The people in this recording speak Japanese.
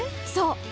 そう！